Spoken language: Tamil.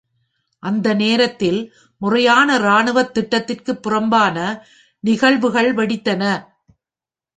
அந்த நேரத்தில், முறையான இராணுவத் திட்டத்திற்கு புறம்பான நிகழ்வுகள் வெடித்தன.